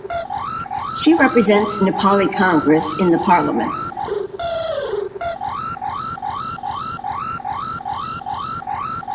She represents Nepali Congress in the parliament.